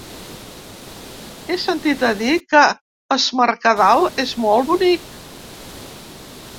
He sentit a dir que Es Mercadal és molt bonic.